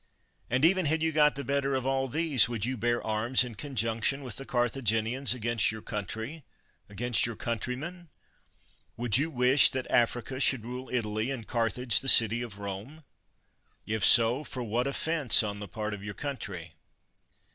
And even had you got the better of all these, would you bear arms in conjunction with the Cartha ginians against your country, against your coun trymen? Would you wish that Africa should rule Italy, and Carthage the city of Rome? If so, for what offense on the part of your country